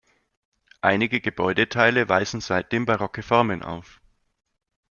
Einige Gebäudeteile weisen seitdem barocke Formen auf.